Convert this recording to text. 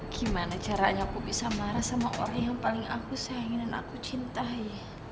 gimana caranya aku bisa marah sama orang yang paling aku sayangin dan aku cintai